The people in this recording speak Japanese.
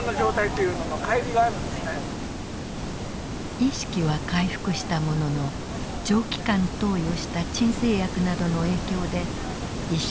意識は回復したものの長期間投与した鎮静薬などの影響で意識